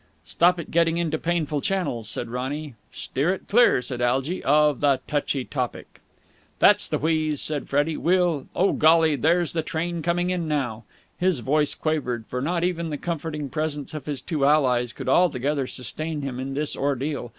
"Stop it getting into painful channels," said Ronny. "Steer it clear," said Algy, "of the touchy topic." "That's the wheeze," said Freddie. "We'll ... Oh, golly! There's the train coming in now!" His voice quavered, for not even the comforting presence of his two allies could altogether sustain him in this ordeal.